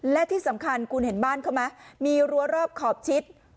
และที่สำคัญคุณเห็นบ้านเขาไหมมีรั้วรอบขอบชิด